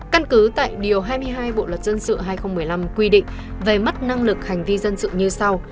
căn cứ tại điều hai mươi hai bộ luật dân sự hai nghìn một mươi năm quy định về mất năng lực hành vi dân sự như sau